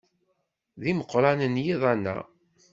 D imeqranen yiḍan-a.